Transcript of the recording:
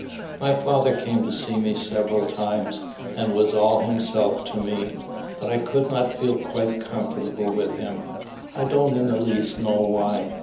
My father came to see me several times, and was all himself to me; but I could not feel quite comfortable with him, I don't in the least know why.